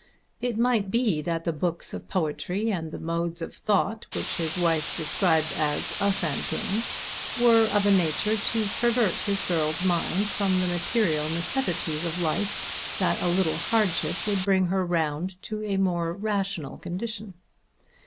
It might be that the books of poetry and the modes of thought which his wife described as "Ushanting" were of a nature to pervert his girl's mind from the material necessities of life and that a little hardship would bring her round to a more rational condition.